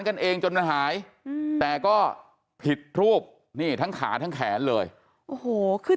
กันเองจนมันหายแต่ก็ผิดรูปนี่ทั้งขาทั้งแขนเลยโอ้โหขึ้น